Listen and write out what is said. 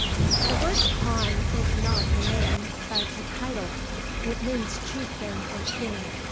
The word khan is not a name, but a title. It means chieftain or king.